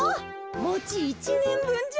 もち１ねんぶんじゃ。